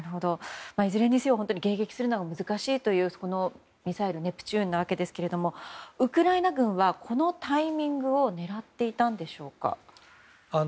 いずれにせよ迎撃するのが難しいというミサイルのネプチューンですがウクライナ軍はこのタイミングを狙っていたんでしょうか。